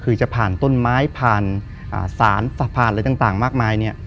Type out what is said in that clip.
คือจะผ่านต้นไม้ผ่านสารสะพานอะไรต่างมากมายเนี่ย